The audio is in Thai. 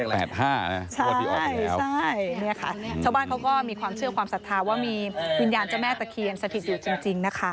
ใช่เนี่ยค่ะชาวบ้านเขาก็มีความเชื่อความศรัทธาว่ามีวิญญาณเจ้าแม่ตะเคียนสถิตอยู่จริงนะคะ